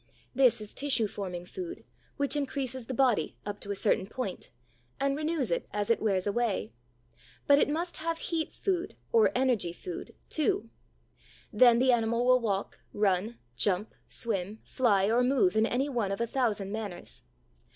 This is tissue forming food which increases the body, up to a certain point, and renews it as it wears away. But it must have heat food, or energy food, too. Then the animal will walk, run, jump, swim, fly, or move in any one of a thousand manners.